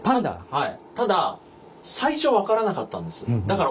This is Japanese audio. はい。